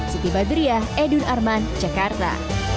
siti badriah edwin arman jakarta